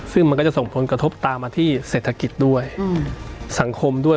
ซึ่งมันก็จะส่งผลกระทบตามมาที่เศรษฐกิจด้วยสังคมด้วย